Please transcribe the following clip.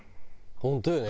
本当よね。